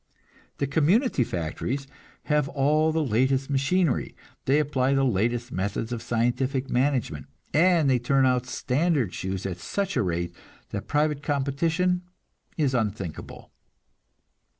The community factories have all the latest machinery; they apply the latest methods of scientific management, and they turn out standard shoes at such a rate that private competition is unthinkable.